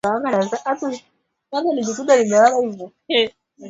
Kila vermelho ya Malaika inaweza kuhifadhi idadi nyingi